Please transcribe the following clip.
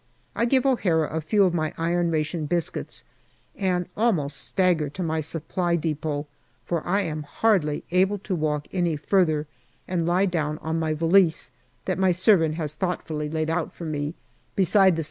I give O'Hara a few of my iron ration biscuits and almost stagger to my Supply depot, for I am hardly able to walk any further, and lie down on my valise, that my servant has thoughtfully laid out for me, beside the S.